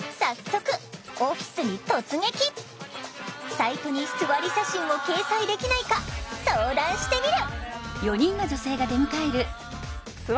サイトに「すわり写真」を掲載できないか相談してみる。